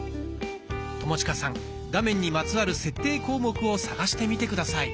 友近さん画面にまつわる設定項目を探してみて下さい。